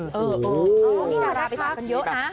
อ๋อนี่ฮิตทรัพย์ไปสร้างคนเยอะนะ